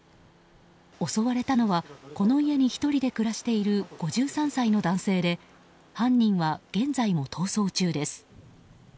襲われたのはこの家に１人で暮らしている５３歳の男性で犯人は現在も逃走中です。